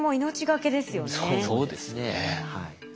そうですねはい。